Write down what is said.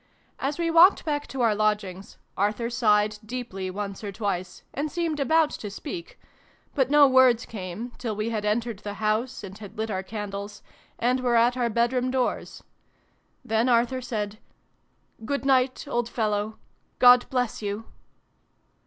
As we walked back to our lodgings, Arthur sighed deeply once or twice, and seemed about to speak but no words came, till we had entered the house, and had lit our candles, and were at our bedroom xvn] TO THE RESCUE ! 279 doors. Then Arthur said "Good night, old fellow ! God bless you